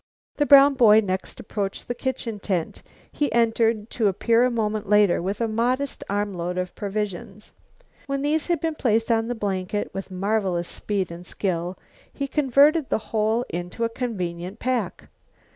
The brown boy next approached the kitchen tent. He entered, to appear a moment later with a modest armload of provisions. When these had been placed on the blanket, with marvelous speed and skill he converted the whole into a convenient pack.